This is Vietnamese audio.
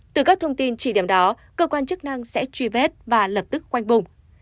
từ các thông tin chỉ điểm đó cơ quan chức năng sẽ truy vết và lập tức quanh bùng